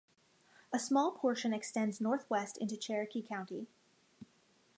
A small portion extends northwest into Cherokee County.